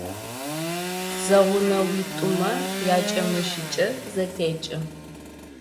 Зэгъунэгъуитӏумэ ячэмыщыкӏэ зэтекӏы.